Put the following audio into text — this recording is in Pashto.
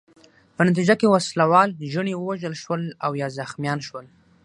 په نتیجه کې وسله وال ژڼي ووژل شول او یا زخمیان شول.